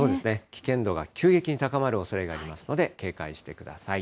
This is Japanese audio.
危険度が急激に高まるおそれがありますので、警戒してください。